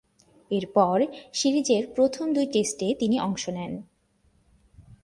এরপর, সিরিজের প্রথম দুই টেস্টে তিনি অংশ নেন।